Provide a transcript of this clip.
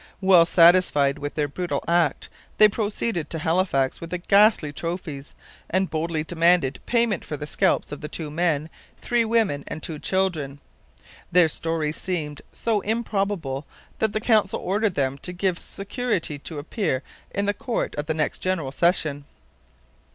Well satisfied with their brutal act, they proceeded to Halifax with the ghastly trophies, and boldly demanded payment for the scalps of two men, three women, and two children. Their story seemed so improbable that the Council ordered them to give security to appear in the court at the next general session.